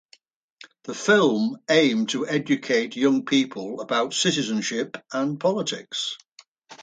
The film aimed to educate young people about citizenship and politics.